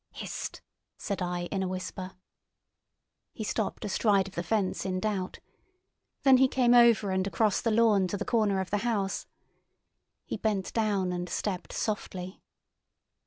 "Hist!" said I, in a whisper. He stopped astride of the fence in doubt. Then he came over and across the lawn to the corner of the house. He bent down and stepped softly.